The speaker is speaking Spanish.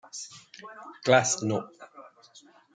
Class no.